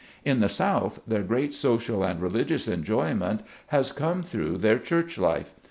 In the South, their great social and religious enjoyment has come through their church life.